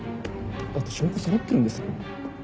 だって証拠そろってるんですよ。